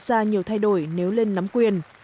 và nhiều thay đổi nếu lên nắm quyền